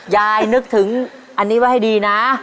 ยายนึกถึงอันนี้ไว้ดีนะ